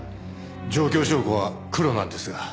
状況証拠はクロなんですが。